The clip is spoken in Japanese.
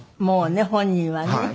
もうね本人はね。